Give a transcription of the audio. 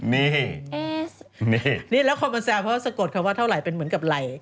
นี่นี่แล้วคนมาแซวเพราะสะกดคำว่าเท่าไหร่เป็นเหมือนกับไหล่